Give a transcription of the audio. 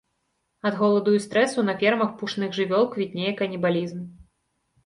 Ад голаду і стрэсу на фермах пушных жывёл квітнее канібалізм.